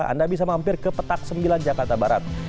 anda bisa mampir ke petak sembilan jakarta barat